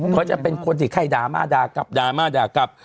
เขาจะเป็นคนที่ไข้ดามาดากลับดามาดากลับ